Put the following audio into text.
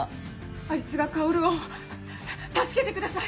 あいつが薫を助けてください！